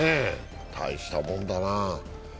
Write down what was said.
大したもんだな。